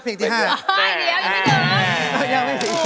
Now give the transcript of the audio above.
อ๋อเดี๋ยว